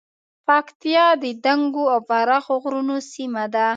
پکتیا د دنګو او پراخو غرونو سیمه ده